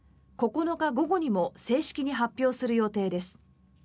９日午後にも正式に発表する予定です。